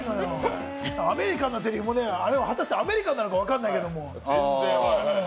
アメリカンなセリフも果たしてアメリカなのかわからないけれども。